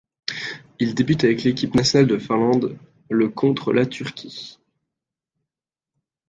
Il débute avec l'équipe nationale de Finlande le contre la Turquie.